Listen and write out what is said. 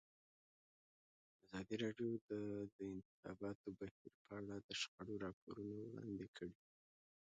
ازادي راډیو د د انتخاباتو بهیر په اړه د شخړو راپورونه وړاندې کړي.